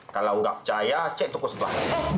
kalau nggak percaya cek toko sebelah